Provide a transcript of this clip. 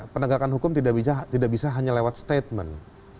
penegakan hukum tidak bisa hanya lewat statement